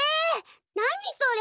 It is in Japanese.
何それ！？